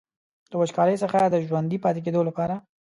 د وچکالۍ څخه د ژوندي پاتې کیدو لپاره.